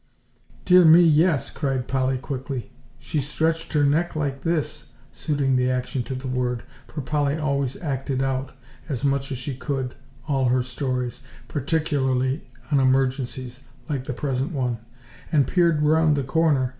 "Dear me, yes," cried Polly quickly; "she stretched her neck like this," suiting the action to the word, for Polly always acted out, as much as she could, all her stories, particularly on emergencies like the present one, "and peered around the corner.